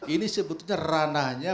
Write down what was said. ini sebetulnya ranahnya